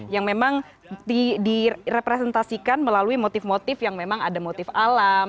yang memang direpresentasikan melalui motif motif yang memang ada motif alam